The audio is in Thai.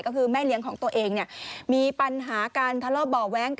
ก็คือแม่เลี้ยงของตัวเองเนี่ยมีปัญหาการทะเลาะเบาะแว้ง